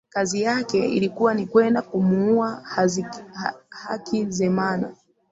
Kazi yake ilikuwa ni kwenda kumuua Hakizemana